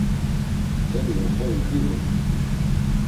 Teni oxori giğuni?